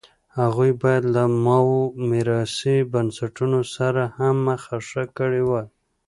هغوی باید له ماوو میراثي بنسټونو سره هم مخه ښه کړې وای.